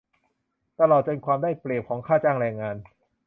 ตลอดจนความได้เปรียบของค่าจ้างแรงงาน